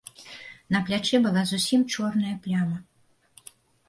На плячы была зусім чорная пляма.